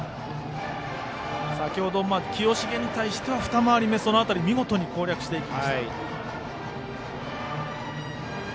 先程、清重に対しては二回り目、見事に攻略していきました。